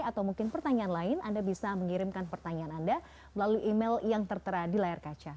atau mungkin pertanyaan lain anda bisa mengirimkan pertanyaan anda melalui email yang tertera di layar kaca